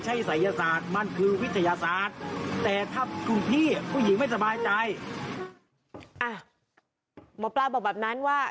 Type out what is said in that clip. หมอปลาบอกแบบนั้นว่า